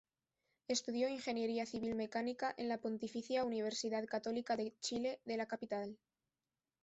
Estudió ingeniería civil mecánica en la Pontificia Universidad Católica de Chile de la capital.